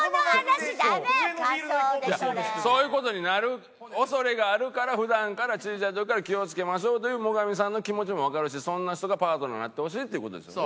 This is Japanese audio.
いやそういう事になる恐れがあるから普段からちいちゃい時から気を付けましょうという最上さんの気持ちもわかるしそんな人がパートナーになってほしいっていう事ですよね。